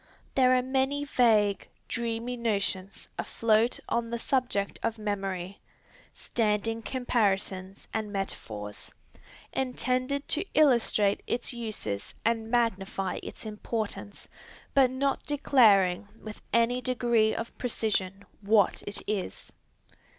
There are many vague, dreamy notions afloat on the subject of memory, standing comparisons and metaphors, intended to illustrate its uses and magnify its importance, but not declaring with any degree of precision what it is.